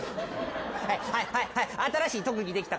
はいはいはいはい新しい特技できたから見て。